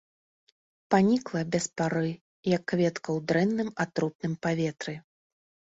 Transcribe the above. Панікла без пары, як кветка ў дрэнным, атрутным паветры.